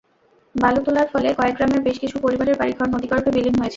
বালু তোলার ফলে কয়েক গ্রামের বেশ কিছু পরিবারের বাড়িঘর নদীগর্ভে বিলীন হয়েছে।